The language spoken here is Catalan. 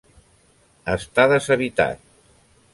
Està deshabitat.